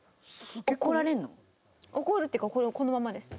怒るっていうかこのままです。